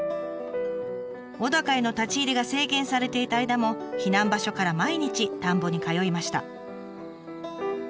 小高への立ち入りが制限されていた間も避難場所から毎日田んぼに通いました。